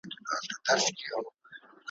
په هوا کي ماڼۍ نه جوړېږي `